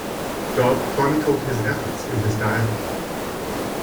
Dodd chronicled his efforts in his diary.